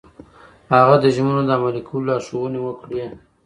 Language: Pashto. هغه د ژمنو د عملي کولو لارښوونې وکړې.